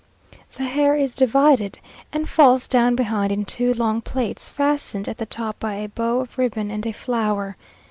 The hair is divided, and falls down behind in two long plaits, fastened at the top by a bow of ribbon and a flower.